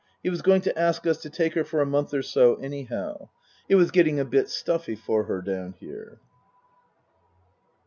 He was going to ask us to take her for a month or so anyhow. It was getting a bit stuffy for her down here.